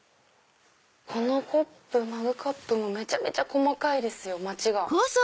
このマグカップもめちゃめちゃ細かいですよ街が。